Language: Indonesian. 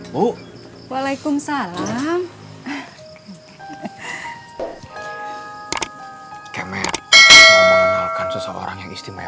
bahkan ya smoke